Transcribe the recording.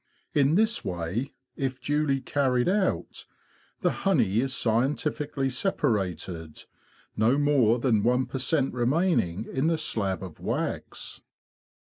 In this way, if duly carried out, the honey is scientifically separ ated, no more than one per cent remaining in the slab of wax.